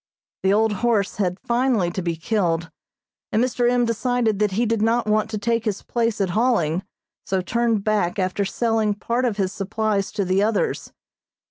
The old horse had finally to be killed, and Mr. M. decided that he did not want to take his place at hauling, so turned back after selling part of his supplies to the others.